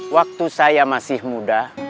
waktu saya masih muda